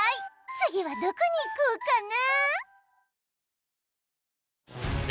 次はどこに行こうかな？